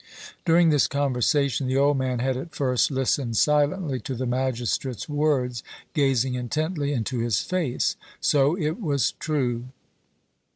During this conversation the old man had at first listened silently to the magistrate's words, gazing intently into his face. So it was true.